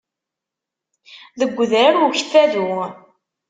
Deg udrar ukffadu.